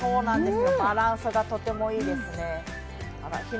バランスがとてもいいですね。